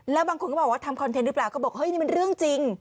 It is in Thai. แล้วบางคนก็บอกว่าทำคอนเทนต์หรือเปล่าก็บอกเฮ้ยนี่มันเรื่องจริง